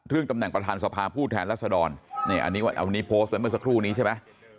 ตำแหน่งประธานสภาผู้แทนรัศดรนี่อันนี้โพสต์ไว้เมื่อสักครู่นี้ใช่ไหม